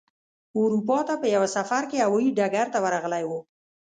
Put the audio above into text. اروپا ته په یوه سفر کې هوايي ډګر ته ورغلی و.